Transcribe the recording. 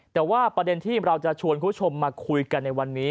แต่ว่าประเด็นที่เราจะชวนคุณผู้ชมมาคุยกันในวันนี้